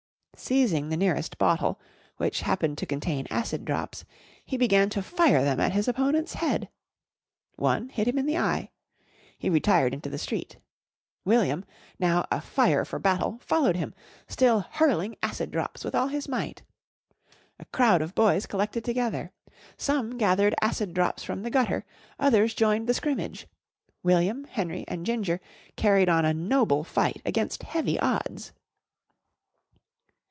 Seizing the nearest bottle, which happened to contain Acid Drops, he began to fire them at his opponent's head. One hit him in the eye. He retired into the street. William, now a fire for battle, followed him, still hurling Acid Drops with all his might. A crowd of boys collected together. Some gathered Acid Drops from the gutter, others joined the scrimmage. William, Henry, and Ginger carried on a noble fight against heavy odds.